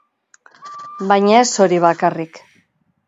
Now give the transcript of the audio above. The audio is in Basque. Baina ez hori bakarrik.